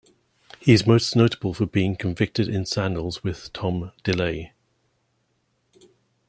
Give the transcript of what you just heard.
He is most notable for being convicted in scandals with Tom DeLay.